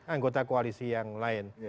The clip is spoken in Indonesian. anggota koalisi yang lain